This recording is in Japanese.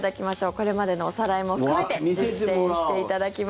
これまでのおさらいも含めて実演していただきます。